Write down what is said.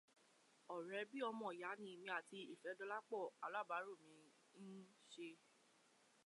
Ọ̀rẹ́ bí ọmọ ìyá ni èmi àti Ìfẹ́dọ̀lápọ̀, alábáárò mi ni ó ń ṣe.